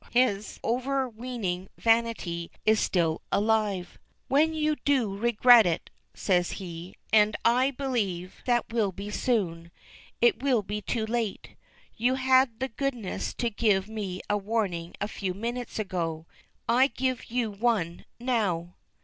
His overweening vanity is still alive. "When you do regret it," says he "and I believe that will be soon it will be too late. You had the goodness to give me a warning a few minutes ago I give you one now."